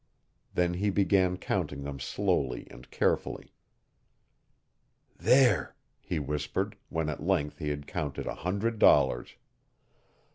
Then he began counting them slowly and carefully. 'There!' he whispered, when at length he had counted a hundred dollars.